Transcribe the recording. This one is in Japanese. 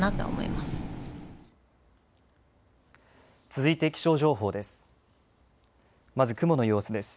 続いて気象情報です。